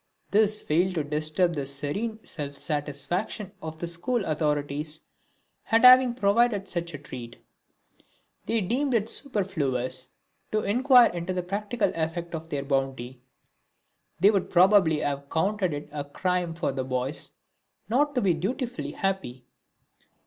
This failed to disturb the serene self satisfaction of the school authorities at having provided such a treat; they deemed it superfluous to inquire into the practical effect of their bounty; they would probably have counted it a crime for the boys not to be dutifully happy.